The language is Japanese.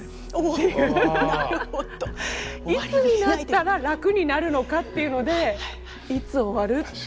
いつになったら楽になるのかっていうので「いつ終わる」って。